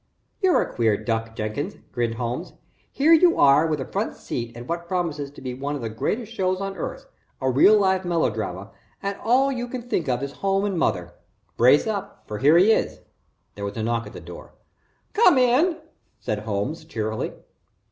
"You're a queer duck, Jenkins," grinned Holmes. "Here you are with a front seat at what promises to be one of the greatest shows on earth, a real live melodrama, and all you can think of is home and mother. Brace up for here he is." There was a knock on the door. "Come in," said Holmes, cheerily.